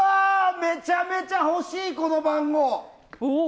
めちゃめちゃ欲しい、この番号。